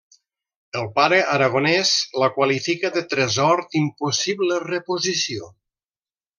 El Pare Aragonés la qualifica de tresor d'impossible reposició.